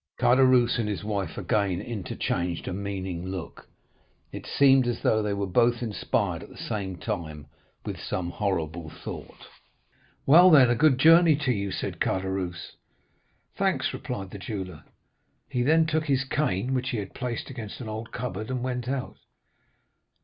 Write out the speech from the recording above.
"Caderousse and his wife again interchanged a meaning look. It seemed as though they were both inspired at the same time with some horrible thought. 'Well, then, a good journey to you,' said Caderousse. "'Thanks,' replied the jeweller. He then took his cane, which he had placed against an old cupboard, and went out.